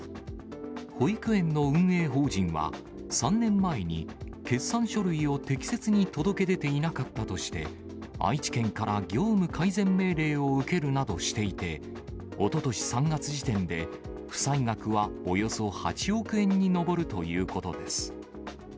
保育園の運営法人は、３年前に、決算書類を適切に届け出ていなかったとして、愛知県から業務改善命令を受けるなどしていて、おととし３月時点で、負債額はおよそ８億円に上るということです。